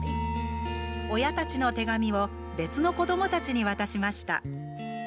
親たちの手紙を別の子どもたちに渡しました。